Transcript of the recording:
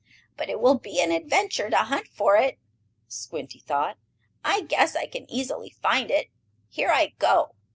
"But it will be an adventure to hunt for it," Squinty thought. "I guess I can easily find it. Here I go!"